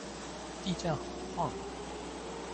地震好晃喔